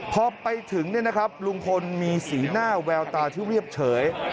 พอไปถึงลุงพลมีสีหน้าแววตาที่เรียบเฉย